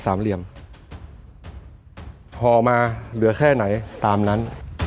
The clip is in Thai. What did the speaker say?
เหลี่ยมห่อมาเหลือแค่ไหนตามนั้น